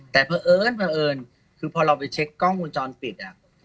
แต่เผอิญคือพอเราไปเช็คกล้องวงจรปิด